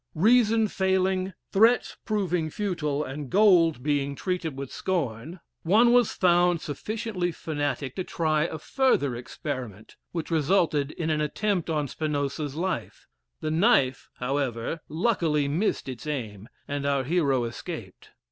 Reason failing, threats proving futile, and gold being treated with scorn, one was found sufficiently fanatic to try a further experiment, which resulted in an attempt on Spinoza's life; the knife, however, luckily missed its aim, and our hero escaped.